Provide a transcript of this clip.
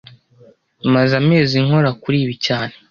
Maze amezi nkora kuri ibi cyane